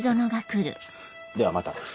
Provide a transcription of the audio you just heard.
ではまた。